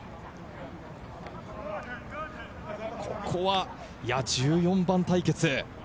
ここは１４番対決。